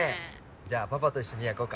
じゃあパパと一緒に焼こうか。